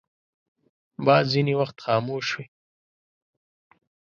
باد ځینې وخت خاموش وي